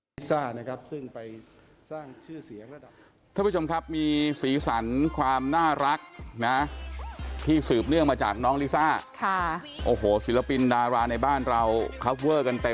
และเป็นที่ชื่นชมมากที่มีความสามารถ